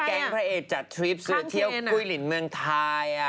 ยกแก๊งพระเอจจัดทริปเถือเที่ยวกุ้ยลินเมืองไทย